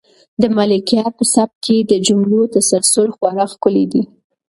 د ملکیار په سبک کې د جملو تسلسل خورا ښکلی دی.